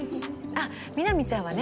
あっミナミちゃんはね